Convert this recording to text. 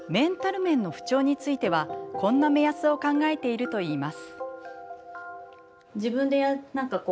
面の不調についてはこんな目安を考えているといいます。